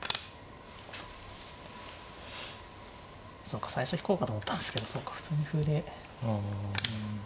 そうか最初引こうかと思ったんですけどそうか普通に歩で。